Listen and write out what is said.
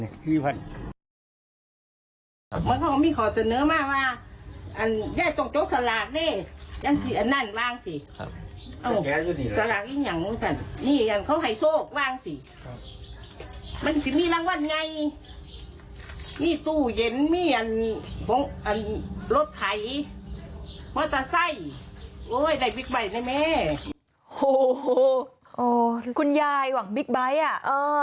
ในบิ๊กไบท์นะแม่โอ้โหโอ้คุณยายหวังบิ๊กไบท์อ่ะเออ